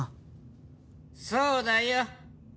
そうだよ。